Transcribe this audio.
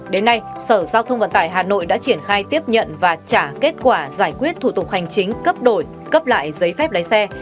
đến nay sở giao thông vận tải hà nội đã triển khai tiếp nhận và trả kết quả giải quyết thủ tục hành chính cấp đổi cấp lại giấy phép lái xe